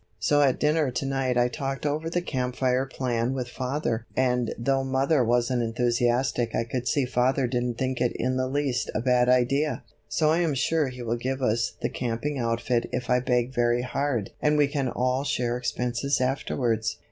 So at dinner to night I talked over the Camp Fire plan with father and though mother wasn't enthusiastic I could see father didn't think it in the least a bad idea, so I am sure he will give us the camping outfit if I beg very hard and we can all share expenses afterwards.